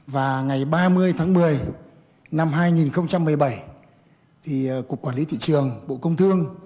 và ngày ba mươi tháng một mươi năm hai nghìn một mươi bảy cục quản lý thị trường bộ công thương